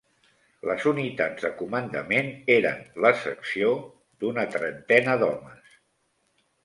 Les unitats de comandament eren la «secció», d'una trentena d'homes